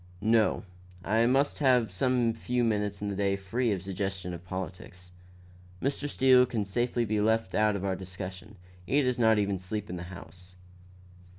"No; I must have some few minutes in the day free from the suggestion of politics. Mr. Steele can safely be left out of our discussion. He does not even sleep in the house."